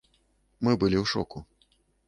Мы былі ў шоку.